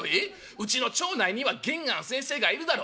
うちの町内には源庵先生がいるだろ。